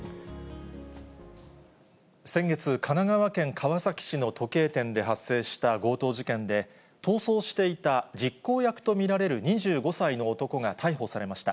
先月、神奈川県川崎市の時計店で発生した強盗事件で、逃走していた実行役と見られる２５歳の男が逮捕されました。